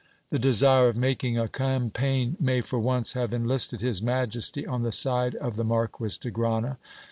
The desire of making a campaign may for once have enlisted his majesty on the side of the Marquis de Grana.